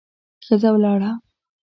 ښځه ولاړه.